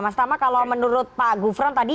mas tama kalau menurut pak gufron tadi